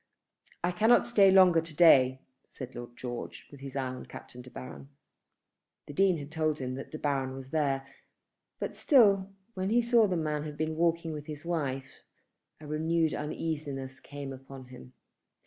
"I cannot stay longer to day," said Lord George, with his eye upon Captain De Baron. The Dean had told him that De Baron was there; but, still, when he saw that the man had been walking with his wife, a renewed uneasiness came upon him.